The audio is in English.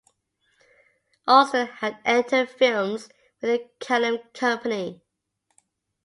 Austin had entered films with the Kalem Company.